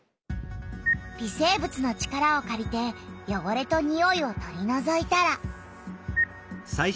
微生物の力をかりてよごれとにおいを取りのぞいたら。